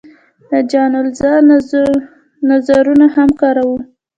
د جان رالز نظرونه هم کاروو.